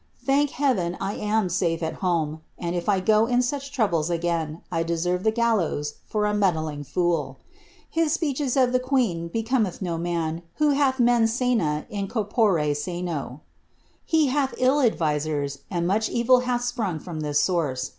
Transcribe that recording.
Thank Heaven, I am safe at homf. and if I go in such troubles again, I deserve the gallows for a meddline fool. His speeches of the queen becometh no man who halh mens smi in corpora sano. lie hath ill advisers, and much evil hath spmng froin this source.